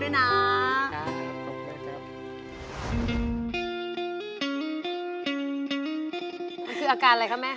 นี่คืออาการอะไรคะแม่